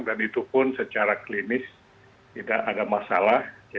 dan itu pun secara klinis tidak ada masalah